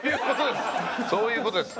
そういう事です。